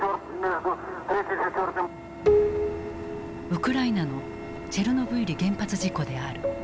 ウクライナのチェルノブイリ原発事故である。